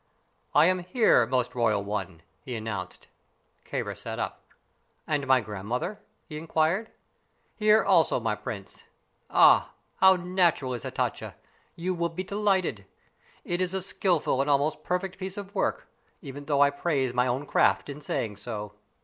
"I am here, most royal one!" he announced. Kāra sat up. "And my grandmother?" he inquired. "Here also, my prince. Ah, how natural is Hatatcha! You will be delighted. It is a skilful and almost perfect piece of work, even though I praise my own craft in saying so."